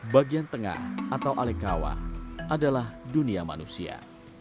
bagian tengah atau alekawa adalah dunia manusia